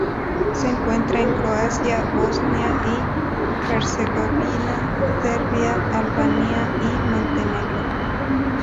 Se encuentra en Croacia, Bosnia y Herzegovina, Serbia, Albania y Montenegro.